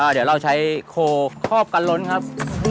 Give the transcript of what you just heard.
เดี๋ยวเราใช้โคคอบกันล้นครับ